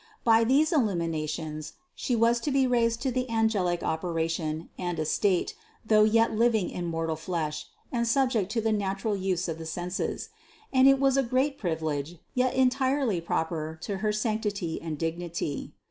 By these illuminations She was to be raised to the angelic opera tion and estate though yet living in mortal flesh and sub ject to the natural use of the senses, and it was a great privilege, yet entirely proper to her sanctity and dignity.